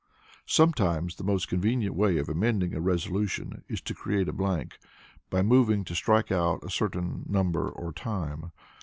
Sometimes the most convenient way of amending a resolution is to create a blank by moving to strike out a certain number or time.